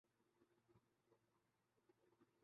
یہ رومی اور شمس تبریز کے تعلق کا عصری انطباق ہے۔